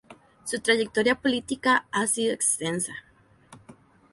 Su trayectoria política ha sido extensa.